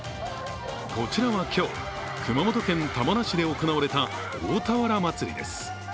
こちらは今日、熊本県玉名市で行われた大俵まつりです。